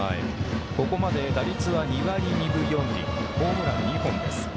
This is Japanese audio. ここまで打率は２割２分４厘ホームラン２本です。